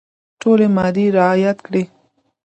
ټولي مادې رعیات کړي.